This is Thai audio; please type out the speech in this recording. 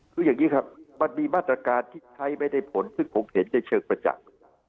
คืออย่างนี้ครับมันมีมาตรการที่ใช้ไม่ได้ผลซึ่งผมเห็นในเชิงประจักษ์